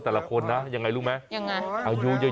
แบบนี้คือแบบนี้คือแบบนี้คือแบบนี้คือ